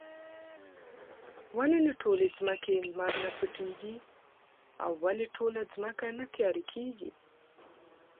ولې له ټولې ځمکې لمر نۀ پټيږي؟ او ولې ټوله ځمکه نه تياره کيږي؟